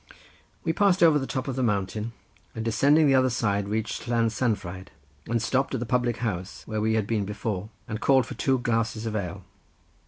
We passed over the top of the mountain, and descending the other side, reached Llansanfraid, and stopped at the public house where we had been before, and called for two glasses of ale.